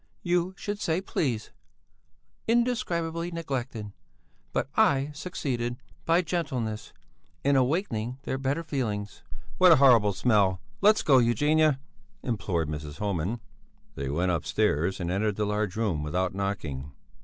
"You should say please! Indescribably neglected, but I succeeded, by gentleness, in awakening their better feelings." "What a horrible smell! Let's go, Eugenia," implored Mrs. Homan. They went upstairs and entered the large room without knocking.